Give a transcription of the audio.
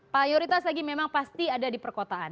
mayoritas lagi memang pasti ada di perkotaan